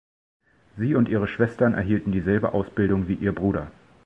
Sie und ihre Schwestern erhielten dieselbe Ausbildung wie ihr Bruder.